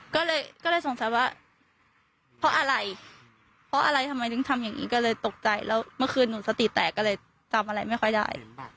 ก็เลยสงสัยว่าเพราะอะไรเพราะอะไรทำไมถึงทำอย่างนี้ก็เลยตกใจแล้วเมื่อคืนหนูสติแตกก็เลยจำอะไรไม่ค่อยได้